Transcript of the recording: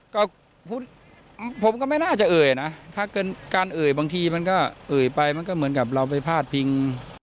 ก็ผมก็ไม่น่าจะเอ่ยนะถ้าเกินการเอ่ยบางทีมันก็เอ่ยไปมันก็เหมือนกับเราไปพาดพิง